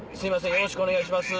よろしくお願いします。